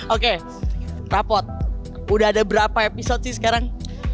oke rapot udah ada berapa episode sih sekarang